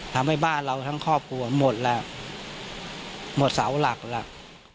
ทำให้บ้านเราทั้งครอบครัวหมดแล้วหมดเสาหลักแล้ว